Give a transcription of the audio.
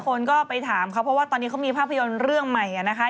ทุกคนก็ไปถามเขาเฉพาะว่าเมื่อวานุคระปริยนชีวิตเขาไปถามเหอะ